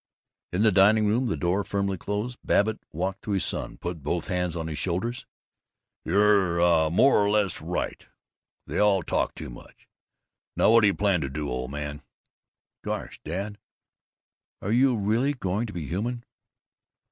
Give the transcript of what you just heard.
In the dining room, the door firmly closed, Babbitt walked to his son, put both hands on his shoulders. "You're more or less right. They all talk too much. Now what do you plan to do, old man?" "Gosh, dad, are you really going to be human?"